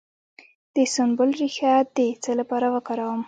د سنبل ریښه د څه لپاره وکاروم؟